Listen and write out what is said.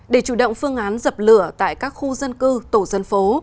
để chủ động phương án dập lửa tại các khu dân cư tổ dân phố